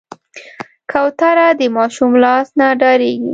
کوتره د ماشوم لاس نه ډارېږي.